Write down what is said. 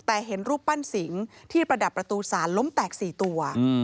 แต่เห็นรูปปั้นสิงที่ประดับประตูศาลล้มแตก๔ตัว